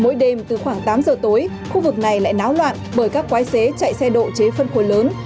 mỗi đêm từ khoảng tám giờ tối khu vực này lại náo loạn bởi các quái xế chạy xe độ chế phân khối lớn